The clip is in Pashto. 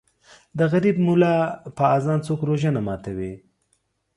د غریب مولا په اذان څوک روژه نه ماتوي